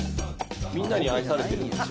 みんなに愛されてるんですよ